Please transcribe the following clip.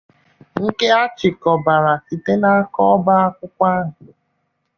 nke a chịkọbara site n'aka ọba akwụkwọ ahụ